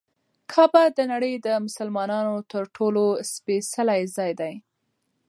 کعبه د نړۍ د مسلمانانو تر ټولو سپېڅلی ځای دی.